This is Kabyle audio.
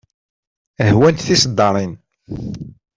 Hwant tiseddaṛin.